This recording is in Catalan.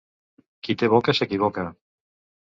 Qui té boca s'equivoca.